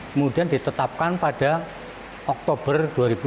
kemudian ditetapkan pada oktober dua ribu dua puluh